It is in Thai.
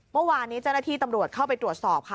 เมื่อวานนี้เจ้าหน้าที่ตำรวจเข้าไปตรวจสอบค่ะ